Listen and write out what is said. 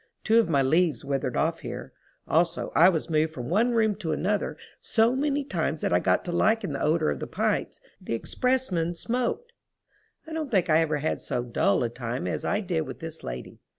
Two of my leaves withered off here. Also, I was moved from one room to another so many times that I got to liking the odor of the pipes the expressmen smoked. I don't think I ever had so dull a time as I did with this lady.